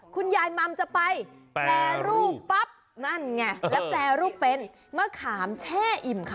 คุณยายมัมจะไปแปรรูปปั๊บนั่นไงแล้วแปรรูปเป็นมะขามแช่อิ่มค่ะ